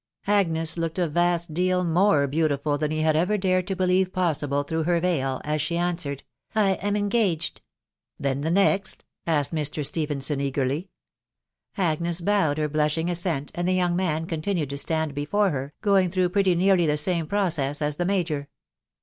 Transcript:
Agnes looked a vast deal more beautiful than he had ever dared to believe possible through her veil, as she answered, " I am engaged." a Then the next ?" said Mr. Stephenson eagerly. Agnes bowed her blushing assent, and the young man eon. tinued to stand before her, going through pretty nearly the same process as the major.